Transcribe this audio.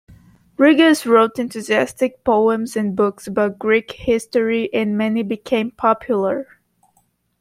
Rigas wrote enthusiastic poems and books about Greek history and many became popular.